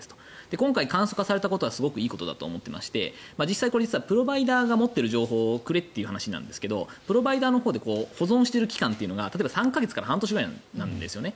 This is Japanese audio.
今回、簡素化されたことはすごくいいことだと思っていまして実際プロバイダーが持っている情報をくれという話になるんですがプロバイダーのほうで保存している期間が３週間から３か月程度なんですね。